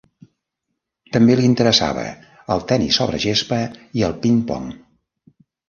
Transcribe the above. També li interessava el tenis sobre gespa i el ping-pong.